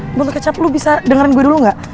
eh botol kecap lu bisa dengerin gue dulu gak